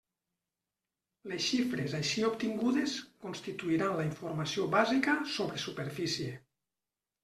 Les xifres així obtingudes constituiran la informació bàsica sobre superfície.